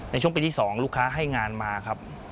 ในช่วงปีที่๒ลูกค้าให้งานมาครับ